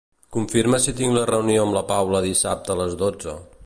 Confirma si tinc la reunió amb la Paula dissabte a les dotze.